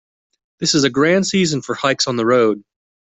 This is a grand season for hikes on the road.